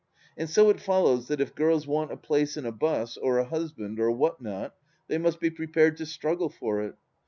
And so it follows that if girls want a place in a bus, or a husband, or what not, they must be prepared to struggle for it.